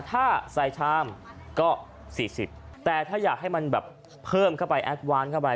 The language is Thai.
ถ้าใส่ชามก็๔๐แต่ถ้าอยากให้มันแบบเพิ่มเข้าไปแอดวานเข้าไป